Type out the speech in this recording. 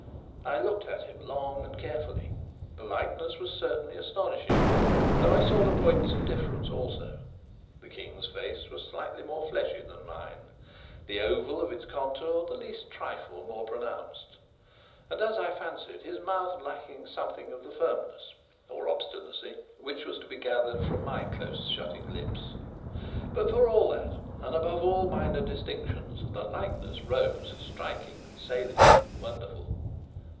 I looked at him long and carefully. The likeness was certainly astonishing, though I saw the points of difference also. The King's face was slightly more fleshy than mine, the oval of its contour the least trifle more pronounced, and, as I fancied, his mouth lacking something of the firmness (or obstinacy) which was to be gathered from my close shutting lips. But, for all that, and above all minor distinctions, the likeness rose striking, salient, wonderful.